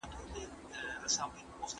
پخوانيو دولتونو نړيوال حقوق تر پښو لاندي کړل.